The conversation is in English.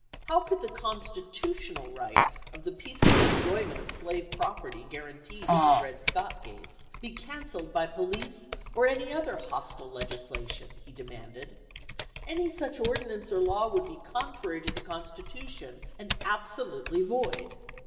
How could the constitutional right of peaceful enjoyment of slave property guaranteed in the Dred Scott case be canceled by police or any other hostile legisla tion? he demanded. Any such ordinance or law would be contrary to the constitution and ab solutely void.